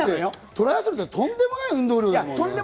トライアスロンってとんでもない運動量ですもんね。